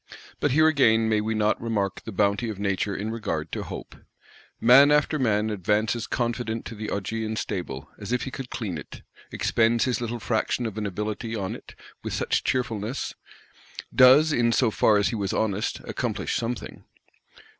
But here again may we not remark the bounty of Nature in regard to Hope? Man after man advances confident to the Augean Stable, as if he could clean it; expends his little fraction of an ability on it, with such cheerfulness; does, in so far as he was honest, accomplish something.